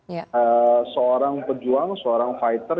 jadi memang pejuang seorang fighter